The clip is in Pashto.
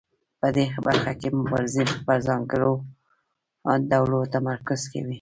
په دې برخه کې مبارزین پر ځانګړو ډلو تمرکز کوي.